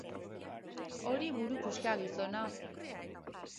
Hori buru puska, gizona!